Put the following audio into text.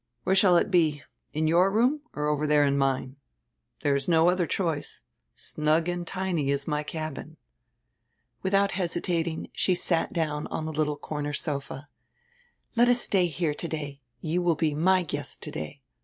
Where shall it be? Here in your room or over there in mine? There is no other choice. Snug and tiny is my cabin." Without hesitating she sat down on a little corner sofa. "Let us stay here today; you will be my guest today.